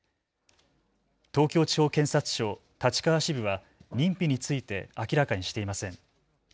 東京地方検察庁立川支部は認否について明らかにしていません。